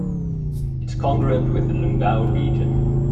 It is congruent with the Lungau region.